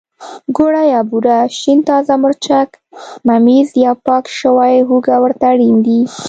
ګوړه یا بوره، شین تازه مرچک، ممیز او پاکه شوې هوګه ورته اړین دي.